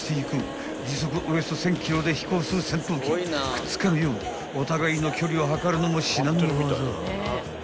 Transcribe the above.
［くっつかぬようお互いの距離を測るのも至難の業］